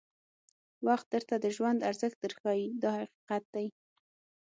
وخت درته د ژوند ارزښت در ښایي دا حقیقت دی.